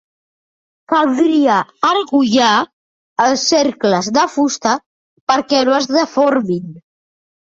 Caldria argollar els cercles de fusta perquè no es deformin.